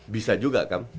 bisa juga kan